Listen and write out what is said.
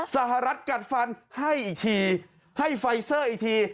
สหรัฐกัดฟันให้อีกทีให้ไฟเซอร์อีกที